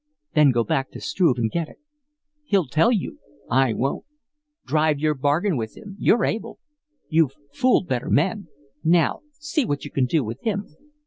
"Then go back to Struve and get it. He'll tell you; I won't. Drive your bargain with him you're able. You've fooled better men now, see what you can do with him."